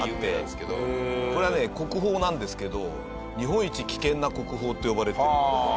これはね国宝なんですけど日本一危険な国宝って呼ばれてる。